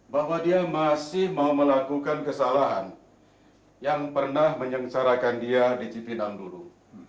bahwa dia masih mau melakukan kesalahan yang pernah menyengsarakan dia di cipinang dulu